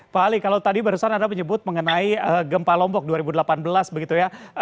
pak ali kalau tadi barusan anda menyebut mengenai gempa lombok dua ribu delapan belas begitu ya